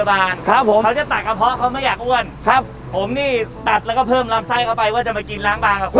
วาซับเราจะตะลุยกินให้ถึงที่ตามไปกินให้หมดฟังได้กินล้างบาง